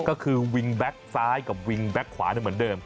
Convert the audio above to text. ก็คือวิงแบ็คซ้ายกับวิงแบ็คขวาเหมือนเดิม